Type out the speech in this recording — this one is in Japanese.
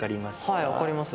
はい分かります。